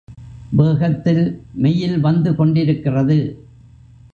வேகத்தில் மெயில் வந்து கொண்டிருக்கிறது.